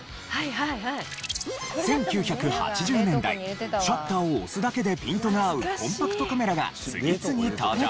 １９８０年代シャッターを押すだけでピントが合うコンパクトカメラが次々登場。